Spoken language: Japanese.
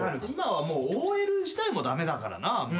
今はもうＯＬ自体も駄目だからな。